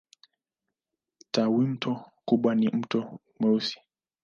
Tawimto kubwa ni Mto Mweusi.